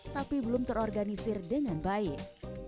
tapi belum terorganisir dengan baik